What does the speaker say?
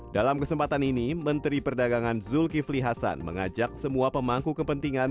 dalam kesempatan ini menteri perdagangan zulkifli hasan mengajak semua pemangku kepentingan